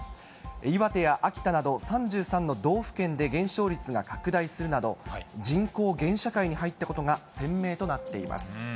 岩手や秋田など３３の道府県で減少率が拡大するなど、人口減社会に入ったことが鮮明となっています。